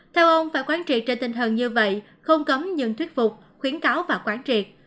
theo ông phải quán trị trên tinh thần như vậy không cấm nhưng thuyết phục khuyến cáo và quán triệt